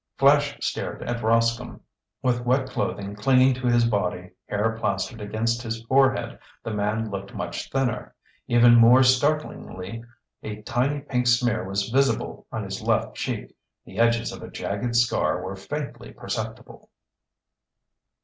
Flash stared at Rascomb. With wet clothing clinging to his body, hair plastered against his forehead, the man looked much thinner. Even more startling, a tiny pink smear was visible on his left cheek. The edges of a jagged scar were faintly perceptible.